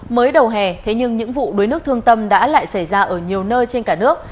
mới đầu hè thế nhưng những vụ đuối nước thương tâm đã lại xảy ra ở nhiều nơi trên cả nước